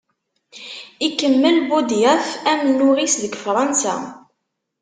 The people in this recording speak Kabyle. Ikemmel Budyaf amennuɣ-is deg Fransa.